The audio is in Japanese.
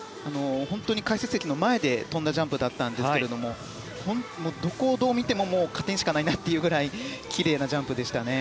解説席の前で跳んだジャンプだったんですけどもどこをどう見ても加点しかないなというぐらいきれいなジャンプでしたね。